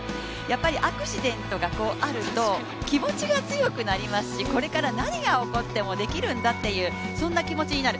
アクシデントがあると、気持ちが強くなりますしこれから何が起きてもできるんだっていう、そんな気持ちになる。